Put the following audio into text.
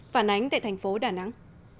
phản ánh tại thành phố đà nẵng